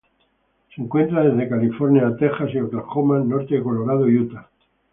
Se encuentra desde California a Texas y Oklahoma, norte de Colorado y Utah.